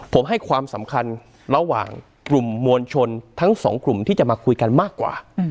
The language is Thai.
ผมให้ความสำคัญระหว่างกลุ่มมวลชนทั้งสองกลุ่มที่จะมาคุยกันมากกว่า